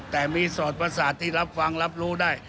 แต่มีสอดประสาทที่รับฟังรับรู้ได้